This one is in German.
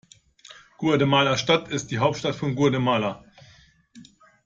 Guatemala-Stadt ist die Hauptstadt von Guatemala.